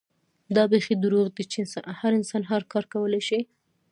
دا بيخي دروغ دي چې هر انسان هر کار کولے شي